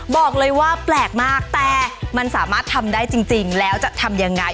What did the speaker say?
บอกเลยว่าแปลกมากแต่มันสามารถทำได้จริงแล้วจะทำยังไง